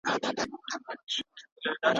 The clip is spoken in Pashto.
هغې وویل، د بدن فېټ ساتل نور اسانه نه و.